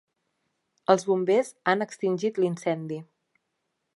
Els bombers han extingit l'incendi.